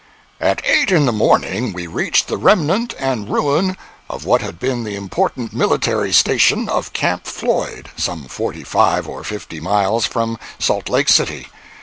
At eight in the morning we reached the remnant and ruin of what had been the important military station of "Camp Floyd," some forty five or fifty miles from Salt Lake City.